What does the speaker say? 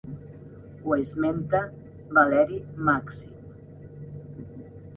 Ho esmenta Valeri Màxim.